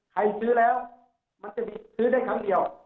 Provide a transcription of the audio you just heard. ซื้อแล้วมันจะมีซื้อได้ครั้งเดียว